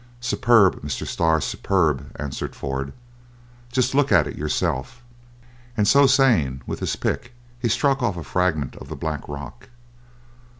"Superb! Mr. Starr, superb!" answered Ford; "just look at it yourself!" And so saying, with his pick he struck off a fragment of the black rock. "Look!